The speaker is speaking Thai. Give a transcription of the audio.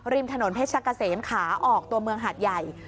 ริมถนนเพชรกะเสมขาออกตัวเมืองหาดใหญ่